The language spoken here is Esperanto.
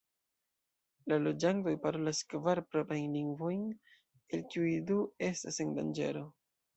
La loĝantoj parolas kvar proprajn lingvojn, el kiuj du estas en danĝero.